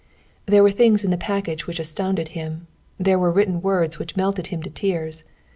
There were things in the package which astounded him; there were written words which melted him to tears.